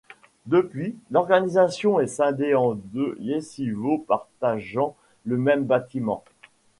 Depuis, l'organisation est scindée en deux yeshivot partageant le même bâtiment.